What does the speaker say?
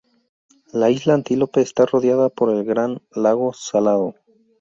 La isla Antílope está rodeada por el Gran Lago Salado.